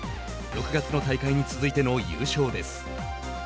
６月の大会に続いての優勝です。